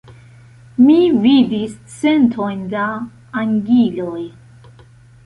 Mi vidis centojn da angiloj.